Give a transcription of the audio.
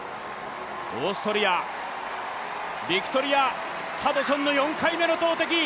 オーストリア、ビクトリア・ハドソンの４回目の投てき。